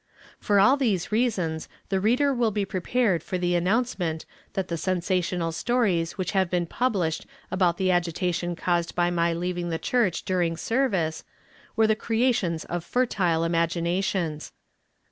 For all these reasons, the reader will be prepared for the announcement that the sensational stories which have been published about the agitation caused by my leaving the church during service were the creations of fertile imaginations.